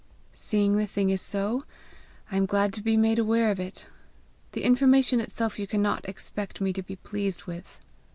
"Seeing the thing is so, I am glad to be made aware of it. The information itself you cannot expect me to be pleased with!"